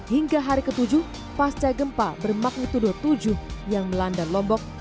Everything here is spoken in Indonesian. hingga hari ke tujuh pasca gempa bermagnitudo tujuh yang melanda lombok